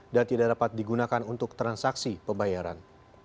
dan tidak dapat digunakan untuk transaksi pembayaran